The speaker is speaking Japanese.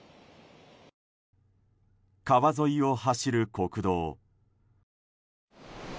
川沿いを走る国道。